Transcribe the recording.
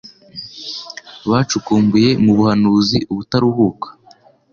bacukumbuye mu buhanuzi ubutaruhuka.